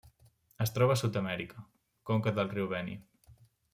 Es troba a Sud-amèrica: conca del riu Beni.